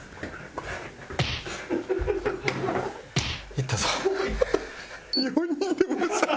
いったぞ。